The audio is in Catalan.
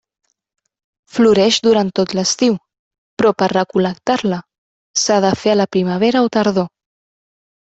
Floreix durant tot l'estiu, però per recol·lectar-la s'ha de fer a la primavera o tardor.